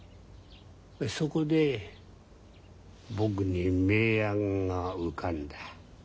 そこで僕に名案が浮かんだ。